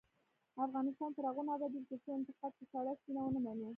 افغانستان تر هغو نه ابادیږي، ترڅو انتقاد په سړه سینه ونه منو.